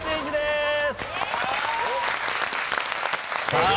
さあ